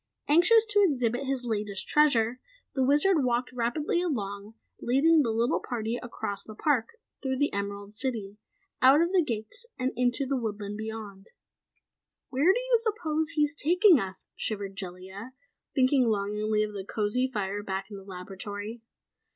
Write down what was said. Anxious to exhibit his latest treasure, the Wizard walked rapidly along, leading the little party across the park, through the Emerald City, out of the Gates and into the thick woodland beyond. "Where do you suppose he is taking us?" shivered Jellia, thinking longingly of the cozy fire back in the laboratory.